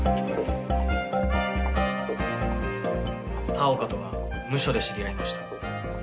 田岡とはムショで知り合いました。